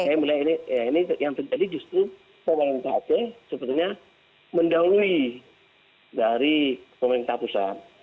saya melihat ini yang terjadi justru pemerintah aceh sebetulnya mendahului dari pemerintah pusat